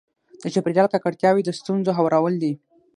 د چاپېریال ککړتیاوې د ستونزو هوارول دي.